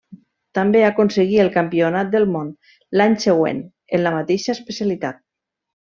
També aconseguí el Campionat del món, l'any següent, en la mateixa especialitat.